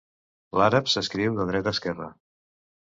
L'àrab s'escriu de dreta a esquerra.